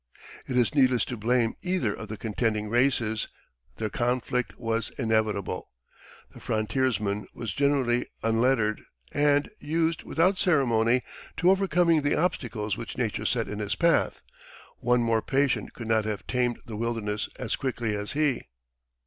It is needless to blame either of the contending races; their conflict was inevitable. The frontiersman was generally unlettered, and used, without ceremony, to overcoming the obstacles which nature set in his path; one more patient could not have tamed the wilderness as quickly as he.